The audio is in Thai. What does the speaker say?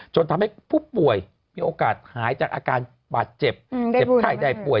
จนทำให้ผู้ป่วยมีโอกาสหายจากอาการบาดเจ็บเจ็บไข้ได้ป่วย